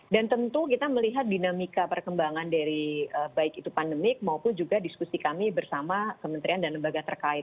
dan tentu kita melihat dinamika perkembangan dari baik itu pandemik maupun juga diskusi kami bersama kementerian dan lembaga terkait